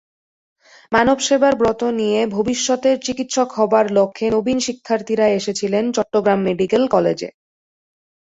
মানবসেবার ব্রত নিয়ে ভবিষ্যতের চিকিৎসক হবার লক্ষ্যে নবীন শিক্ষার্থীরা এসেছিলেন চট্টগ্রাম মেডিকেল কলেজে।